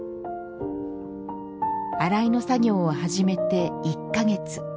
洗いの作業を始めて１か月。